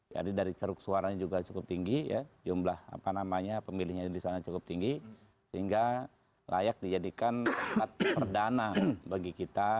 jadi dari suaranya juga cukup tinggi ya jumlah apa namanya pemilihnya disana cukup tinggi sehingga layak dijadikan perdana bagi kita